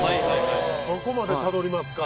そこまでたどりますか。